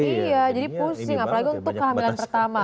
iya jadi pusing apalagi untuk kehamilan pertama